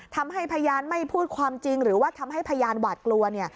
ทำให้พยานไม่พูดความจริงหรือว่าทำให้พยานหวาดกลัว